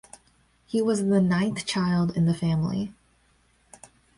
He was the ninth child in the family.